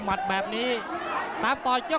คราว